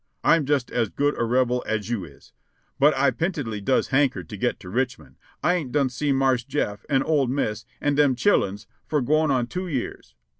Fm just as good a Rebel as you is, but I pintedly does hanker to get to Richmond. I ain't done see Marse Jeff, an old Miss, an' dem chilluns for gwine on two years."